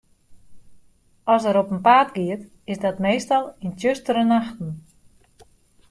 As er op 'en paad giet, is dat meastal yn tsjustere nachten.